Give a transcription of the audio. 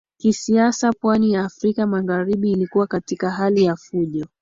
Kisiasa pwani ya Afrika Magharibi ilikuwa katika hali ya fujo